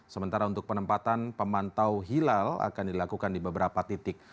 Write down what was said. sementara untuk penempatan pemantau hilal akan dilakukan di beberapa titik